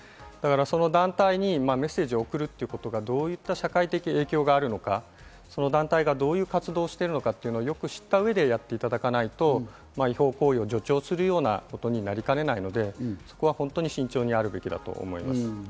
その団体にメッセージを送ることがどういった社会的影響があるのか、その団体がどういう活動しているのか、よく知った上でやっていただかないと、違法行為を助長するようなことになりかねないので、そこは本当に慎重にやるべきだと思います。